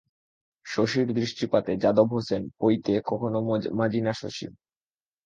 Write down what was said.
শশীর দৃষ্টিপাতে যাদব হাসেন, পৈতে কখনো মাজি না শশী।